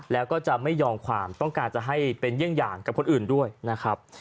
แล้วก็จะไม่ยอมความต้องการจะให้เป็นเยี่ยงอย่างกับคนอื่นด้วยนะครับ